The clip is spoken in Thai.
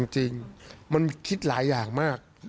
จริงมันคิดหลายอย่างมาก